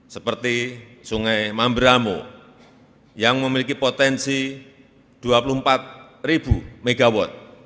seperti sungai mambramo yang memiliki potensi dua puluh empat mw